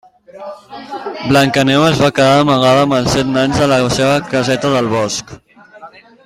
Blancaneu es va quedar amagada amb els set nans a la seva caseta del bosc.